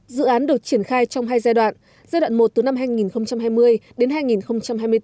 dự án được triển khai trong hai giai đoạn giai đoạn một từ năm hai nghìn hai mươi đến hai nghìn hai mươi bốn